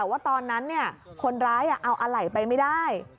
ว่าตอนนั้นคนร้ายเอาอะไหล่ไปไม่ได้